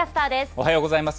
おはようございます。